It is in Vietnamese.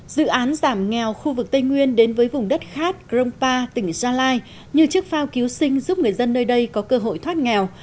dự án giảm nghèo khu vực tây nguyên đến với vùng đất khát grongpa tỉnh gia lai như chiếc phao cứu sinh giúp người dân nơi đây có cơ hội thoát nghèo